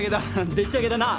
でっちあげだなあ。